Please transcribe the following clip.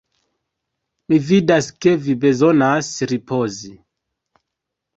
Mi vidas ke vi bezonas ripozi!